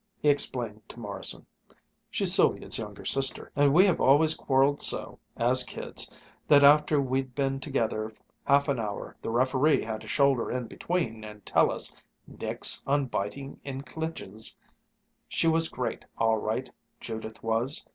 He explained to Morrison: "She's Sylvia's younger sister, and we always quarreled so, as kids, that after we'd been together half an hour the referee had to shoulder in between and tell us, 'Nix on biting in clinches.' She was great, all right, Judith was!